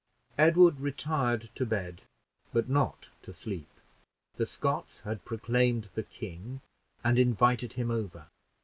Edward retired to bed, but not to sleep. The Scots had proclaimed the king, and invited him over.